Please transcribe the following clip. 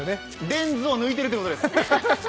レンズを抜いてるってことです。